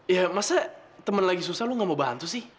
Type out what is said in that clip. ya masa temen lagi susah lu gak mau bantu sih